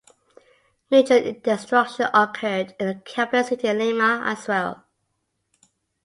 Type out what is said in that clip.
Major destruction occurred in the capital city Lima as well.